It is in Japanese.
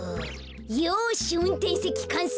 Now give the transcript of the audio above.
よしうんてんせきかんせい。